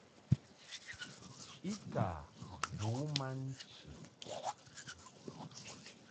I ka vu ma nchi.